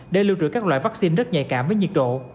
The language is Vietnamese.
để lưu trữ các loại vaccine rất nhạy cảm với nhiệt độ